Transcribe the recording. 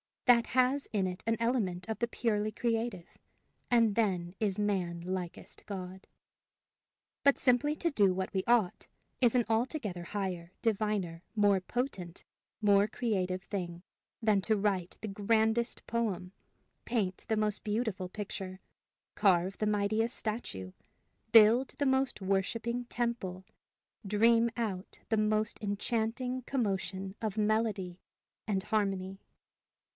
That has in it an element of the purely creative, and then is man likest God. But simply to do what we ought, is an altogether higher, diviner, more potent, more creative thing, than to write the grandest poem, paint the most beautiful picture, carve the mightiest statue, build the most worshiping temple, dream out the most enchanting commotion of melody and harmony.